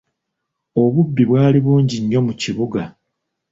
Obubbi bwali bungi nnyo mu kibuga.